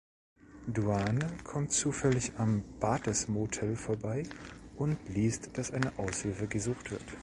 Duane kommt zufällig am „Bates Motel“ vorbei und liest, dass eine Aushilfe gesucht wird.